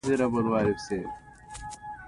بدخشان د افغان ماشومانو د زده کړې موضوع ده.